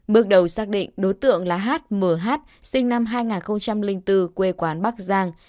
bước đầu xác định đối tượng là h m h sinh năm hai nghìn bốn quê quán bắc giang